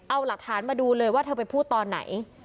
เอาหลักฐานมาดูเลยว่าเธอไปพูดตอนไหน